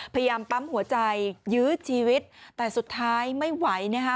พยายามปั๊มหัวใจยื้อชีวิตแต่สุดท้ายไม่ไหวนะคะ